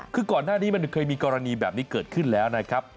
คือก่อนหน้านี้มันเคยมีกรณีแบบนี้เกิดขึ้นแล้วนะครับ